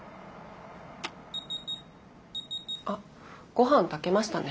あっごはん炊けましたね。